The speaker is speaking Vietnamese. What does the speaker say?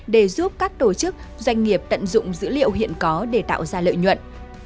để giúp các tổ chức doanh nghiệp tận dụng dữ liệu hiện có để tạo ra lợi nhuận